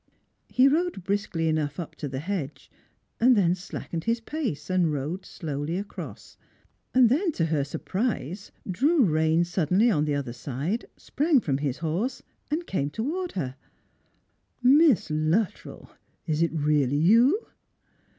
He rode briskly enough up to the hedge, then slackened his pace, and rode slowly across ; then to her surprise drew rein suddenly on the other side, sprang from his horse, and came towards her. " Miss Luttrell, is it really you